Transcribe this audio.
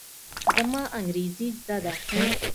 زما انګرېزي زده ده.